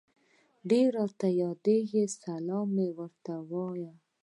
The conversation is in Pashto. ډير راته ياديږي سلام مي ورته وايه